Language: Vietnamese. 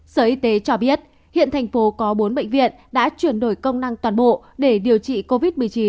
sở y tế cho biết hiện thành phố có bốn bệnh viện đã chuyển đổi công năng toàn bộ để điều trị covid một mươi chín